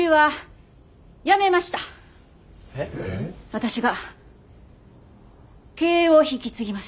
私が経営を引き継ぎます。